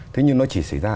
thế nhưng nó chỉ xảy ra